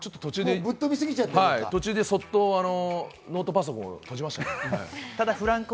途中でそっとノートパソコンを閉じました。